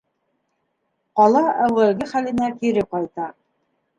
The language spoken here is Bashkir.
Ҡала әүәлге хәленә кире ҡайта.